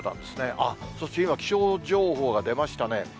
あっ、そして今、気象情報が出ましたね。